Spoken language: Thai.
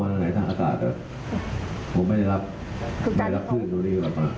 ฉันส่งมาทางไหนท่านอาจารย์ครับผมไม่ได้รับไม่ได้รับขึ้นตรงนี้กลับมา